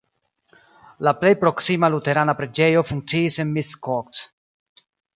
La plej proksima luterana preĝejo funkciis en Miskolc.